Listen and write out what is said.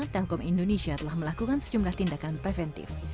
telkom indonesia telah melakukan sejumlah tindakan preventif